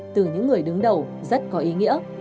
từ những người đứng đầu rất có ý nghĩa